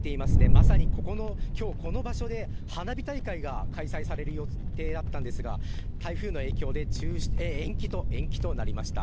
まさにこの場所で花火大会が開催される予定だったんですが台風の影響で延期となりました。